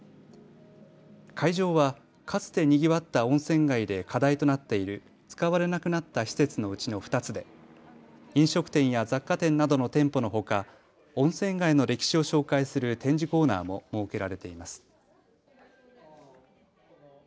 会場はかつてにぎわった温泉街で課題となっている使われなくなった施設のうちの２つで飲食店や雑貨店などの店舗のほか温泉街の歴史を紹介する展示コーナーも設けられています。